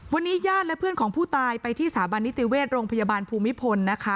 วันนี้ญาติและเพื่อนของผู้ตายไปที่สถาบันนิติเวชโรงพยาบาลภูมิพลนะคะ